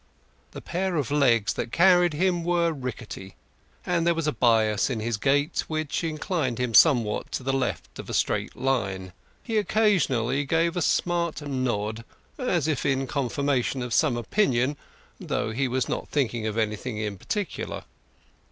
The pair of legs that carried him were rickety, and there was a bias in his gait which inclined him somewhat to the left of a straight line. He occasionally gave a smart nod, as if in confirmation of some opinion, though he was not thinking of anything in particular.